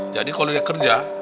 jadi kalo dia kerja